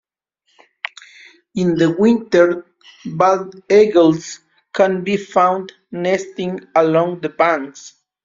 In the winter, bald eagles can be found nesting along the banks.